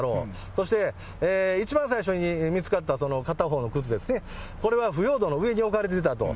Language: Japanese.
そして一番最初に見つかった片方の靴ですね、これは腐葉土の上に置かれていたと。